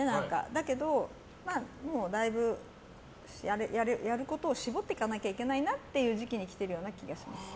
だけど、もうだいぶやることを絞っていかないといけないなという時期にきてるような気がします。